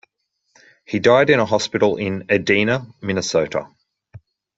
He died in a hospital in Edina, Minnesota.